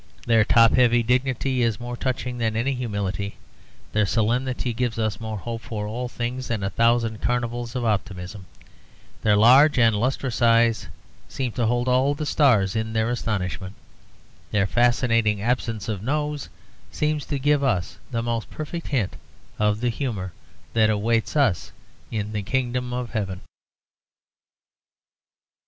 Their top heavy dignity is more touching than any humility; their solemnity gives us more hope for all things than a thousand carnivals of optimism; their large and lustrous eyes seem to hold all the stars in their astonishment; their fascinating absence of nose seems to give to us the most perfect hint of the humour that awaits us in the kingdom of heaven.